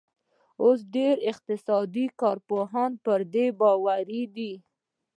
اوس ډېر اقتصادي کارپوهان پر دې باور دي